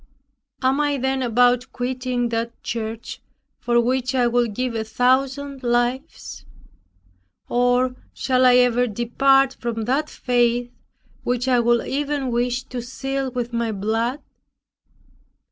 Am I then about quitting that church, for which I would give a thousand lives? Or, shall I ever depart from that faith which I would even wish to seal with my blood?"